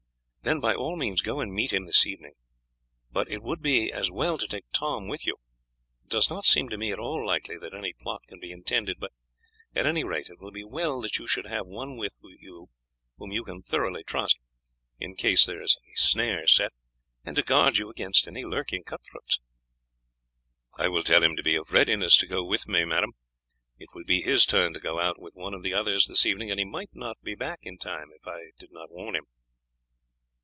Then by all means go and meet him this evening. But it would be as well to take Tom with you. It does not seem to me at all likely that any plot can be intended, but at any rate it will be well that you should have one with you whom you can thoroughly trust, in case there is any snare set, and to guard you against any lurking cut throats." "I will tell him to be in readiness to go with me. It will be his turn to go out with one of the others this evening, and he might not be back in time if I did not warn him."